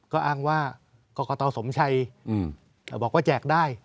ก็อ้างว่ากรกตสมชัยบอกว่าแจกได้